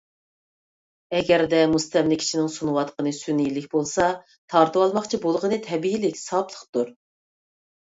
ئەگەردە مۇستەملىكىچىنىڭ سۇنۇۋاتقىنى سۈنئىيلىك بولسا، تارتىۋالماقچى بولغىنى تەبىئىيلىك، ساپلىقتۇر.